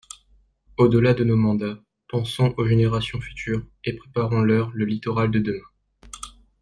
Au-delà de nos mandats, pensons aux générations futures et préparons-leur le littoral de demain.